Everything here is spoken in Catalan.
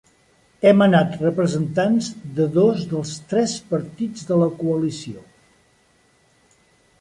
Hem anat representants de dos dels tres partits de la coalició.